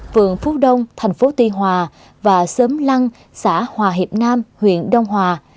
vườn phú đông thành phố tuy hòa và sớm lăng xã hòa hiệp nam huyện đông hòa